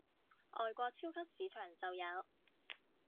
外國超級市場就有